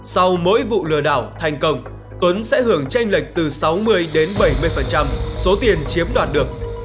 sau mỗi vụ lừa đảo thành công tuấn sẽ hưởng tranh lệch từ sáu mươi đến bảy mươi số tiền chiếm đoạt được